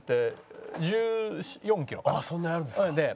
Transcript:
ああそんなにあるんですか。